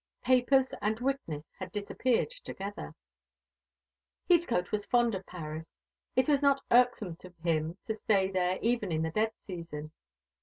Papers and witness had disappeared together. Heathcote was fond of Paris. It was not irksome to him to stay there even in the dead season.